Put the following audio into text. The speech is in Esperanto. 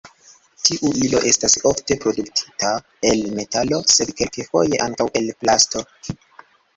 Tiu ilo estas ofte produktita el metalo, sed kelkfoje ankaŭ el plasto.